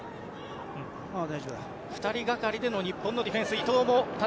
２人がかりでの日本のディフェンス。